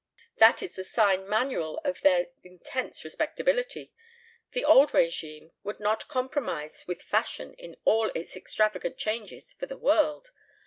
"That is the sign manual of their intense respectability. The old régime would not compromise with fashion in all its extravagant changes for the world.